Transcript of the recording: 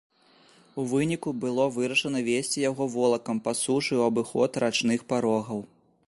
У выніку было вырашана везці яго волакам па сушы ў абыход рачных парогаў.